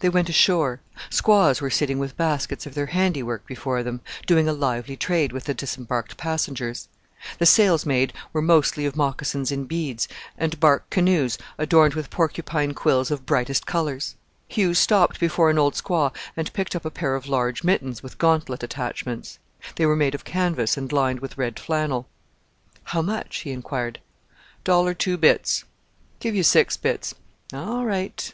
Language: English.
They went ashore. Squaws were sitting with baskets of their handiwork before them, doing a lively trade with the disembarked passengers. The sales made were mostly of moccasins in beads, and bark canoes adorned with porcupine quills of brightest colours. Hugh stopped before an old squaw and picked up a pair of large mittens with gauntlet attachments. They were made of canvas and lined with red flannel. "How much?" he inquired. "Dollar two bits." "Give you six bits." "All right."